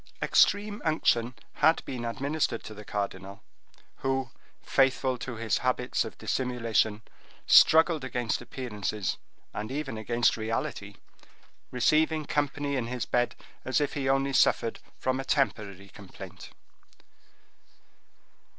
Extreme unction had been administered to the cardinal, who, faithful to his habits of dissimulation, struggled against appearances, and even against reality, receiving company in his bed, as if he only suffered from a temporary complaint.